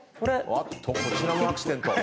あっとこちらもアクシデント。